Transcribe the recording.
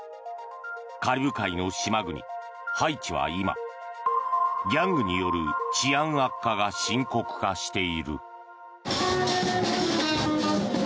カリブ海の島国ハイチは今ギャングによる治安悪化が深刻化している。